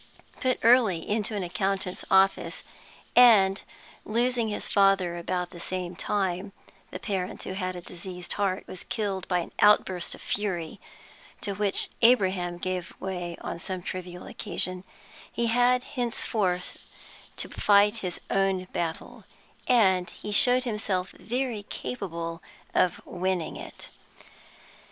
Put early into an accountant's office, and losing his father about the same time (the parent, who had a diseased heart, was killed by an outburst of fury to which Abraham gave way on some trivial occasion), he had henceforth to fight his own battle, and showed himself very capable of winning it.